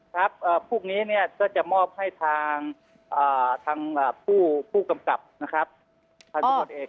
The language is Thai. ครับพรุ่งนี้เนี่ยก็จะมอบให้ทางผู้กำกับนะครับท่านผู้กรเอก